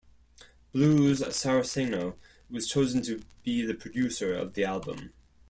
Blues Saraceno was chosen to be the producer of the album.